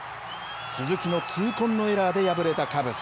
鈴木の痛恨のエラーで敗れたカブス。